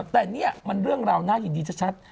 แต่นี่มันเรื่องราวน่ายินดีชัด